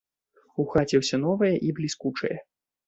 У хаце ўсё новае і бліскучае.